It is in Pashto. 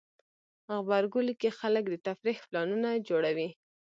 غبرګولی کې خلک د تفریح پلانونه جوړوي.